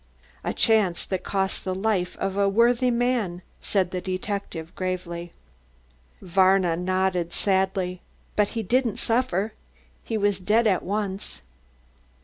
"A chance that cost the life of a worthy man," said the detective gravely. Varna nodded sadly. "But he didn't suffer, he was dead at once."